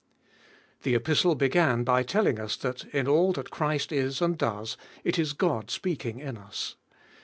THE Epistle began by telling us that in all that Christ is and does it is God speaking in us.